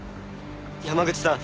山口さん！